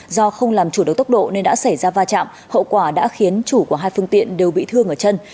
do không làm chủ đấu tốc độ nên đã xảy ra va chạm hậu quả đã khiến chủ của hai phương tiện đều bị thương ở chân